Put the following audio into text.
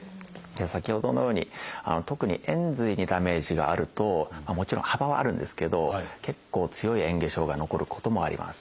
先ほどのように特に延髄にダメージがあるともちろん幅はあるんですけど結構強いえん下障害残ることもあります。